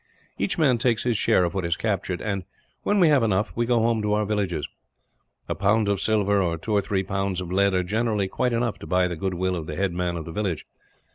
"Each man takes his share of what is captured and, when we have enough, we go home to our villages. A pound of silver, or two or three pounds of lead, are generally quite enough to buy the goodwill of the head man of the village.